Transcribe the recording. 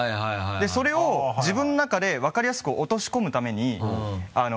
でそれを自分の中で分かりやすく落とし込むために。